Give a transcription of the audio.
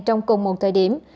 trong cùng một thời điểm